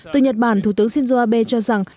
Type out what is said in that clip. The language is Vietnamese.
từ nhật bản thủ tướng shinzo abe cho rằng